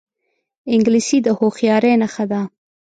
انګلیسي د هوښیارۍ نښه ده